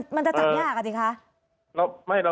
มันจะจับยากอะดิคะ